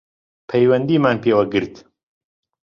پەیوەندیمان پێوە گرت